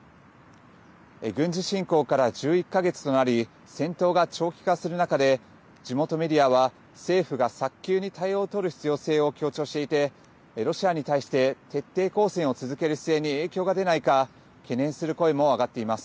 軍事侵攻から１１か月となり戦闘が長期化する中で地元メディアは政府が早急に対応を取る必要性を強調していてロシアに対して徹底抗戦を続ける姿勢に影響が出ないか懸念する声も上がっています。